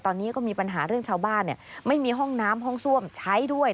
ตอนนี้ก็มีปัญหาเรื่องชาวบ้านไม่มีห้องน้ำห้องซ่วมใช้ด้วย